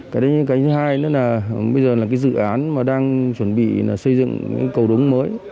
cái thứ hai nữa là bây giờ là cái dự án mà đang chuẩn bị xây dựng cái cầu đúng mới